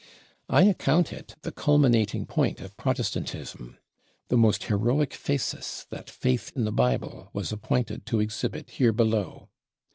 I account it the culminating point of Protestantism; the most heroic phasis that "Faith in the Bible" was appointed to exhibit here below.